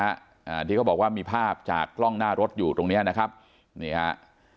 อ่าที่เขาบอกว่ามีภาพจากกล้องหน้ารถอยู่ตรงเนี้ยนะครับนี่ฮะ